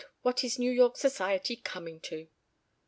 What is New York Society coming to?"